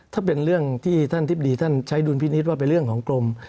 ถ้าเป็นเรื่องที่ท่านทิบดีท่านใช้ดุลพินิษฐ์ว่าเป็นเรื่องของกรม